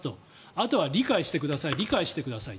あとは理解してください理解してください。